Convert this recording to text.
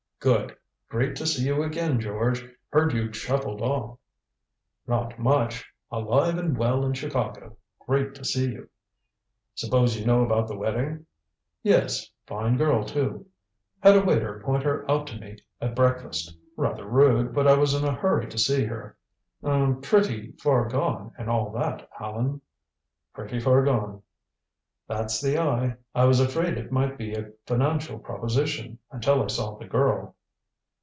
"Good. Great to see you again, George. Heard you'd shuffled off." "Not much. Alive and well in Chicago. Great to see you." "Suppose you know about the wedding?" "Yes. Fine girl, too. Had a waiter point her out to me at breakfast rather rude, but I was in a hurry to see her. Er pretty far gone and all that, Allan?" "Pretty far gone." "That's the eye. I was afraid it might be a financial proposition until I saw the girl."